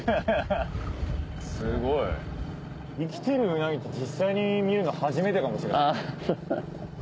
すごい。生きてるうなぎって実際に見るの初めてかもしれない。